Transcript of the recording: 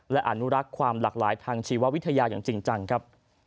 และอนุรักษ์ความหลากหลายทางชีววิทยาอย่างจริงจังครับ